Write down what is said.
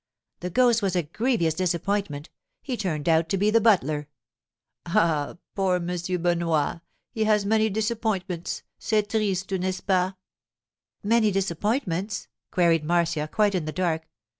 'The ghost was a grievous disappointment. He turned out to be the butler.' 'Ah—poor Monsieur Benoit! He has many disappointments. C'est triste, n'est ce pas?' 'Many disappointments?' queried Marcia, quite in the dark.